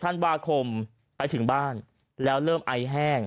ธันวาคมไปถึงบ้านแล้วเริ่มไอแห้ง